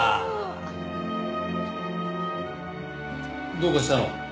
どうかしたの？